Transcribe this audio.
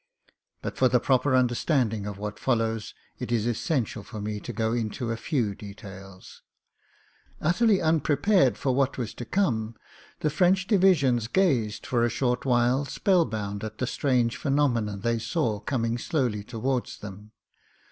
But, for the proper understanding of what follows, it is essential for me to go into a few details. Utterly unprepared for what was to come, the French divi sions gazed for a short while spellbound at the strange phenomenon they saw coming slowly towards them.